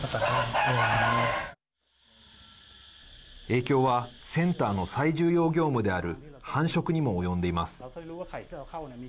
影響はセンターの最重要業務である繁殖にも及んでいます。